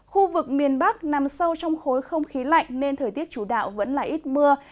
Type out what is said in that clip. khu vực miền bắc nằm sâu trong khối không khí lạnh nên thời tiết chủ đạo vẫn là ít mưa